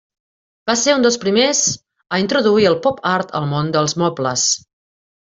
Va ser un dels primers a introduir el pop art al món dels mobles.